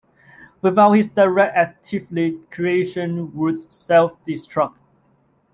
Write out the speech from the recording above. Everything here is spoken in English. Without his direct activity creation would self-destruct.